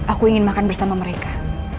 aku ingin makan bersama mereka